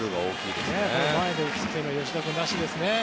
前で打つというのは吉田君らしいですね。